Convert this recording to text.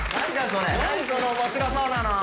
その面白そうなの。